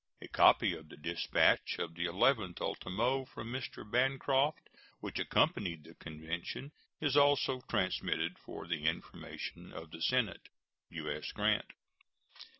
A copy of the dispatch of the 11th ultimo from Mr. Bancroft, which accompanied the convention, is also transmitted for the information of the Senate. U.S. GRANT.